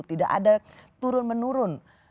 tidak ada turun menurun